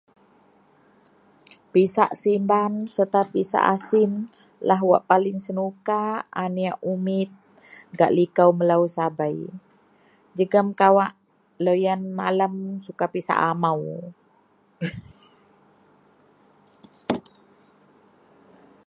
Pisak simban serta pisak asin lah wak paling senuka aneak umit gak likou melou sabei jegem kawak loyen malem suka pisak amou